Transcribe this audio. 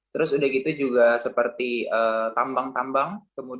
terus udah gitu juga seperti tambang tambang